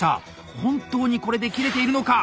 本当にこれで切れているのか。